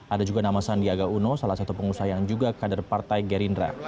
ada juga nama sandiaga uno salah satu pengusaha yang juga kader partai gerindra